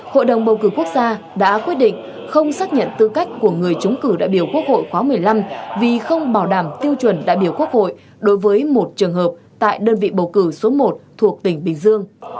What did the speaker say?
hội đồng bầu cử quốc gia đã quyết định không xác nhận tư cách của người chống cử đại biểu quốc hội khóa một mươi năm vì không bảo đảm tiêu chuẩn đại biểu quốc hội đối với một trường hợp tại đơn vị bầu cử số một thuộc tỉnh bình dương